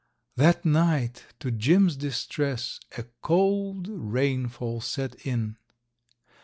That night, to Jim's distress, a cold rainfall set in.